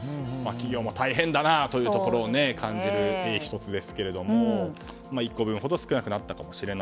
企業も大変だなというところを感じる１つですが１個分ほど少なくなったと。